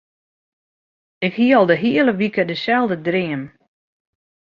Ik hie al de hiele wike deselde dream.